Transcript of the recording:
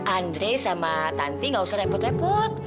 andrei sama tante nggak usah repot repot